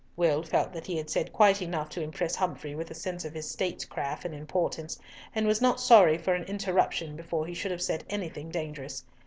Will felt that he had said quite enough to impress Humfrey with a sense of his statecraft and importance, and was not sorry for an interruption before he should have said anything dangerous.